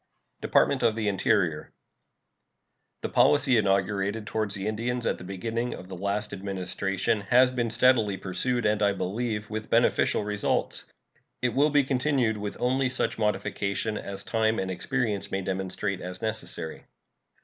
DEPARTMENT OF THE INTERIOR. The policy inaugurated toward the Indians at the beginning of the last Administration has been steadily pursued, and, I believe, with beneficial results. It will be continued with only such modifications as time and experience may demonstrate as necessary.